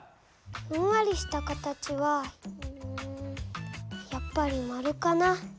ふんわりした形はうんやっぱり丸かな。